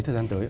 thời gian tới